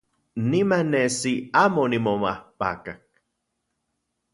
Niman nesi amo omimomajpakak.